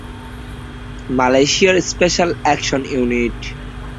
মালয়েশিয়ার special action unit.